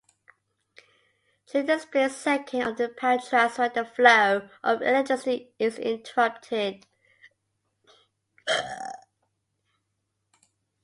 During the split second of the power transfer the flow of electricity is interrupted.